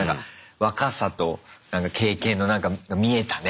若さと経験のなんか見えたね